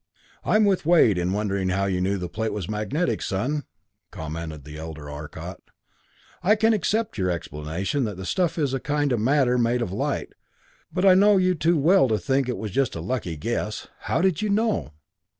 "I'm with Wade in wondering how you knew the plate was magnetic, son," commented the elder Arcot. "I can accept your explanation that the stuff is a kind of matter made of light, but I know you too well to think it was just a lucky guess. How did you know?"